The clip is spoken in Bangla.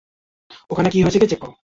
ওখানে কী হয়েছে গিয়ে চেক করো।